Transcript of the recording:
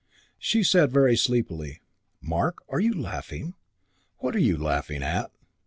She said very sleepily, "Mark, are you laughing? What are you laughing at?"